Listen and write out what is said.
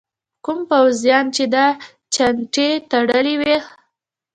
کوم پوځیان چې دا چانټې تړلي وو.